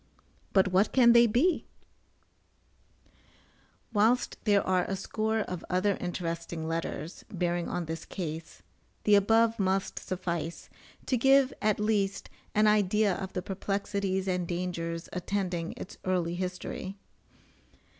but what can they be? Whilst there are a score of other interesting letters, bearing on this case, the above must suffice, to give at least, an idea of the perplexities and dangers attending its early history.